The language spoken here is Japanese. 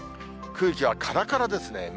空気はからからですね。